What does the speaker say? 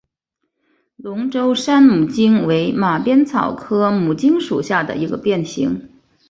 龙州山牡荆为马鞭草科牡荆属下的一个变型。